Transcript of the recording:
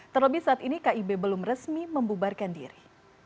terlebih saat ini kib belum resmi membubarkan diri